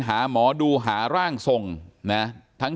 หาหมอดูหาร่างทรงนะ